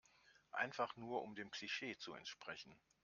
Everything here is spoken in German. Einfach nur um dem Klischee zu entsprechen.